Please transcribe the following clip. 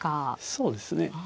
そうですね。